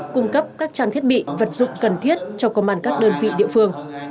cung cấp các trang thiết bị vật dụng cần thiết cho công an các đơn vị địa phương